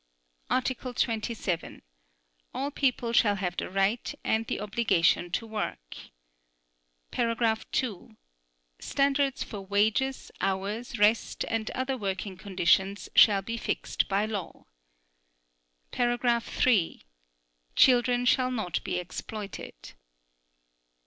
Article 27. All people shall have the right and the obligation to work. (2) Standards for wages, hours, rest and other working conditions shall be fixed by law. (3) Children shall not be exploited.